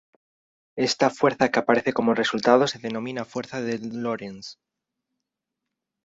Esta fuerza que aparece como resultado se denomina fuerza de Lorentz.